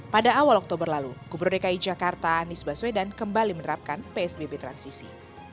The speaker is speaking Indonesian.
pada awal oktober lalu gubernur dki jakarta anies baswedan kembali menerapkan psbb transisi